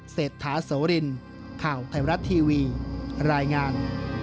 เศรษฐาโสรินข่าวไทยรัฐทีวีรายงาน